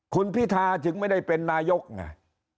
คุณพิทาถึงไม่ได้เป็นนายกไง